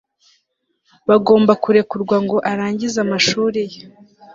bagomba kurekurwa ngo arangize amashuri ye